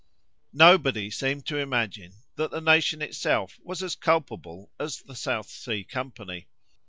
Nobody seemed to imagine that the nation itself was as culpable as the South Sea company.